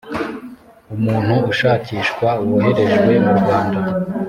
umuntu ushakishwa woherejwe mu rwanda